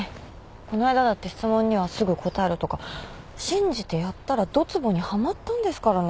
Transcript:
この間だって質問にはすぐ答えろとか信じてやったらどつぼにはまったんですからね。